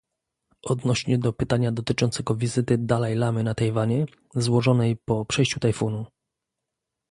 Odnośnie do pytania dotyczącego wizyty Dalajlamy na Tajwanie, złożonej po przejściu tajfunu